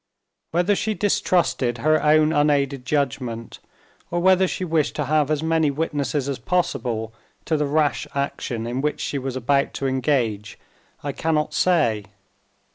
Whether she distrusted her own unaided judgment, or whether she wished to have as many witnesses as possible to the rash action in which she was about to engage, I cannot say.